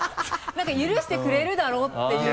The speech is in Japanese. なんか許してくれるだろうっていう。